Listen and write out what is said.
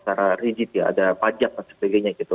secara rigid ya ada pajak dan sebagainya gitu